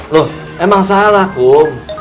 loh emang salah kum